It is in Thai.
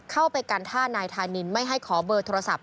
เข้าไปกันท่านายธานินไม่ให้ขอเบอร์โทรศัพท์